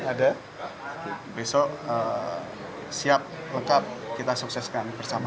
ada besok siap lengkap kita sukseskan bersama